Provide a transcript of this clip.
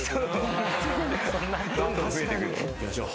どんどん増えてく。